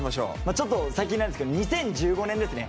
ちょっと最近なんですけど２０１５年ですね。